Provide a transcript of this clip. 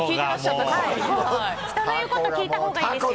人の言うこと聞いたほうがいいですよ。